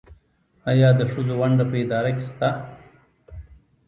آیا د ښځو ونډه په اداره کې شته؟